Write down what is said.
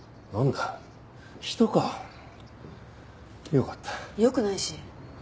よくないし。